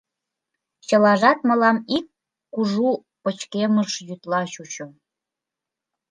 Чылажат мылам ик кужу пычкемыш йӱдла чучо.